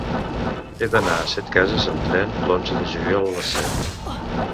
He d'anar a Setcases amb tren l'onze de juliol a les set.